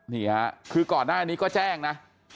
นี่ค่ะคือก่อนหน้านี้ก็แจ้งนะ